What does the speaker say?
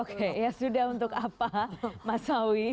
oke ya sudah untuk apa mas sawi